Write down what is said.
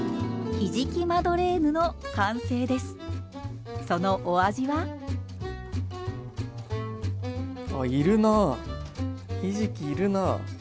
ひじきいるな。